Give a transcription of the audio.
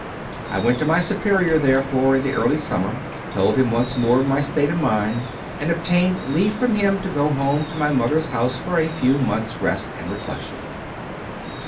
I went to my Superior, therefore, in the early summer, told him once more of my state of mind, and obtained leave from him to go home to my mother s house for a few months rest and reflection.